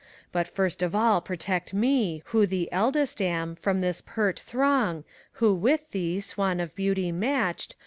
But first of all protect me, who the eldest am, From this pert throng, who with thee. Swan of Beauty matched.